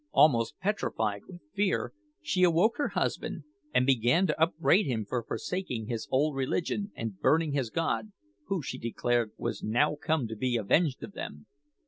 Almost petrified with fear, she awoke her husband, and began to upbraid him for forsaking his old religion and burning his god, who, she declared, was now come to be avenged of them.